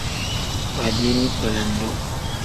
Adiini kpelendu.